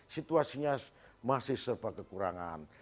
situasinya masih serba kekurangan